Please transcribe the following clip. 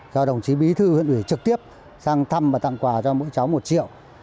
do đồng chí bí thư huyện ủy trực tiếp sang thăm và tặng quà cho mỗi cháu một triệu